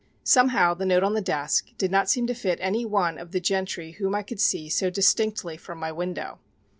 Somehow the note on the desk did not seem to fit any one of the gentry whom I could see so distinctly from my window.